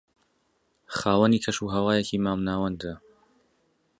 خاوەنی کەش و ھەوایەکی مام ناوەندە